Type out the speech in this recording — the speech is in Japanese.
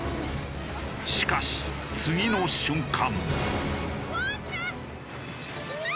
しかし次の瞬間。